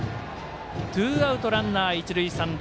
ツーアウト、ランナー、一塁三塁。